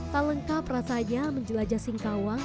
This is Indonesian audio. tak lengkap rasanya menjelajah singkawang